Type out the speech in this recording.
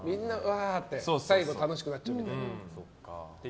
最後楽しくなっちゃうみたいな。